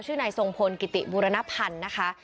ชื่อในทรงพลกิติบุรณพันธุ์นะคะ